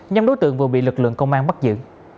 nhóm đối tượng vừa bị lực lượng công an bắt giữ